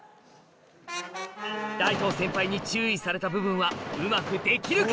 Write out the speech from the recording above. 大東先輩に注意された部分はうまくできるか？